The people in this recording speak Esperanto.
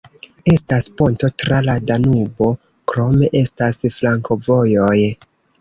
Estas ponto tra la Danubo, krome estas flankovojoj.